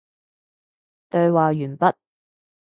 對話完畢